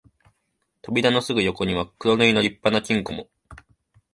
扉のすぐ横には黒塗りの立派な金庫も、